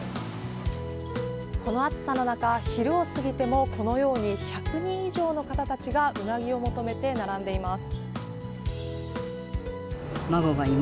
この暑さの中昼を過ぎてもこのように１００人以上の方たちがウナギを求めて並んでいます。